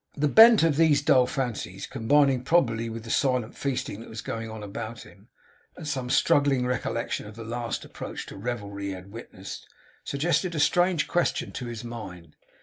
The bent of these dull fancies combining probably with the silent feasting that was going on about him, and some struggling recollection of the last approach to revelry he had witnessed, suggested a strange question to his mind.